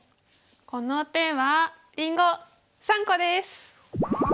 この手はりんご３個です！